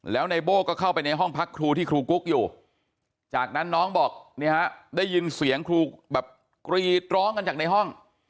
แล้วในโบ้ก็เข้าไปในห้องพักครูที่ครูกุ๊กอยู่จากนั้นน้องบอกได้ยินเสียงครูแบบกรีดร้องกันจากในห้อง